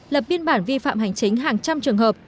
lập biên bản vi phạm hành chính hàng trăm trường hợp